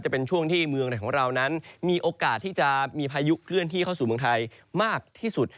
จะเป็นช่วงที่เมืองไหนของเรานั้นมีโอกาสที่จะมีพายุเคลื่อนที่เข้าสู่เมืองไทยมากที่สุด